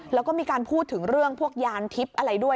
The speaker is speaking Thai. แล้วก็มีการพูดถึงเรื่องพวกยานทิพย์อะไรด้วย